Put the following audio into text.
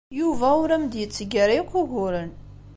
Yuba ur am-d-yetteg ara akk uguren.